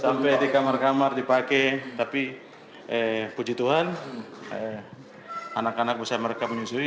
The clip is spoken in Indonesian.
sampai di kamar kamar dipakai tapi puji tuhan anak anak bisa mereka menyusui